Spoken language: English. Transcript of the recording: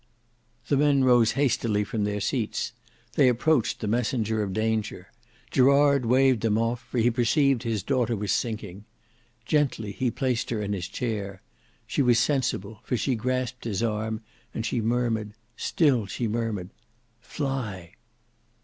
The men rose hastily from their seats; they approached the messenger of danger; Gerard waved them off, for he perceived his daughter was sinking. Gently he placed her in his chair; she was sensible, for she grasped his arm, and she murmured—still she murmured—"fly!"